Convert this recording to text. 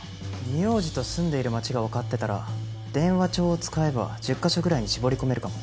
名字と住んでいる街がわかってたら電話帳を使えば１０カ所ぐらいに絞り込めるかも。